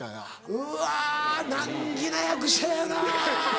うわ難儀な役者やなぁ。